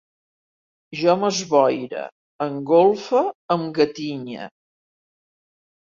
Jo m'esboire, engolfe, em gatinye